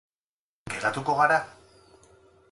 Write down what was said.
Geratuko gara?